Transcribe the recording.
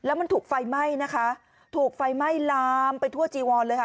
แล้วมันถูกไฟไหม้นะคะถูกไฟไหม้ลามไปทั่วจีวอนเลยค่ะ